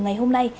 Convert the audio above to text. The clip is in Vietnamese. ngày hôm nay